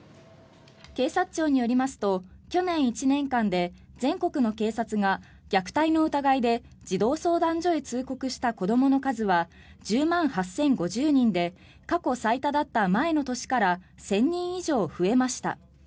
警察庁によりますと去年１年間で全国の警察が虐待の疑いで児童相談所に通告した子どもの数は１０万８０５０人で過去最多だった前の年から１０００人以上増えました。